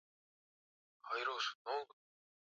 kupigana kupitia madume wakubwa ambao huonesha nguvu zao zaidi